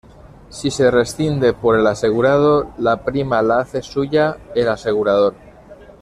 Si se rescinde por el asegurado, la prima la hace suya el asegurador.